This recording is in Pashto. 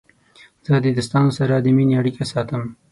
زه د دوستانو سره د مینې اړیکې ساتم.